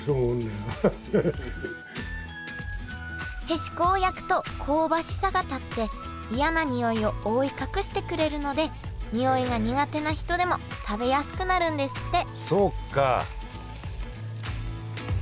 へしこを焼くと香ばしさが立って嫌なにおいを覆い隠してくれるのでにおいが苦手な人でも食べやすくなるんですって